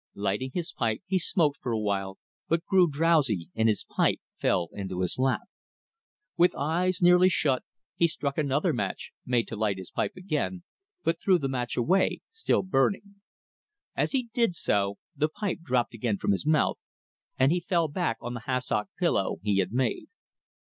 Lighting his pipe, he smoked for a while, but grew drowsy, and his pipe fell into his lap. With eyes nearly shut he struck another match, made to light his pipe again, but threw the match away, still burning. As he did so the pipe dropped again from his mouth, and he fell back on the hassock pillow he had made.